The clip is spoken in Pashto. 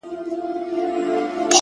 • خو هغه زړور زوړ غم ژوندی گرځي حیات دی؛